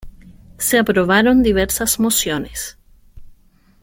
se aprobaron diversas mociones